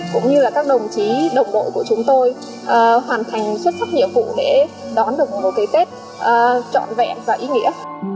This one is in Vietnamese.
cũng như là các đồng chí đồng đội của chúng tôi hoàn thành xuất sắc nhiệm vụ để đón được một cái tết trọn vẹn và ý nghĩa